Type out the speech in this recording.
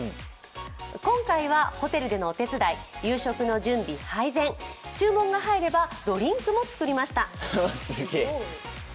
今回はホテルでのお手伝い、夕食の準備、配膳、注文が入ればドリンクも作りました。